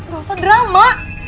ga usah drama